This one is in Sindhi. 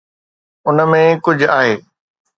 ان ۾ ڪجهه آهي.